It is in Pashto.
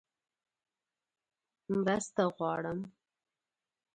_مرسته غواړم!